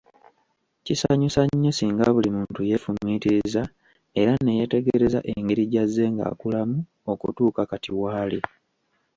Kisanyusa nnyo singa buli muntu yeefumiitiriza era ne yeetegereza engeri gy'azze ng'akulamu okutuuka kati waali !